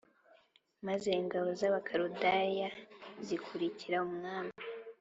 Maze ingabo z Abakaludaya zikurikira umwami